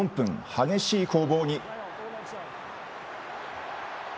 激しい攻防に。